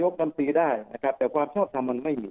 ชอบทำมันไม่มีแต่ว่าผมคิดว่ามันจะสร้างปัญหามากกว่า